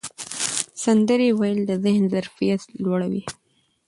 سندرې ویل د ذهن ظرفیت لوړوي.